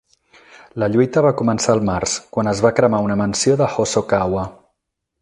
La lluita va començar al març, quan es va cremar una mansió de Hosokawa.